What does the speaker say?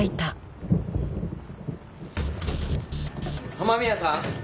雨宮さん？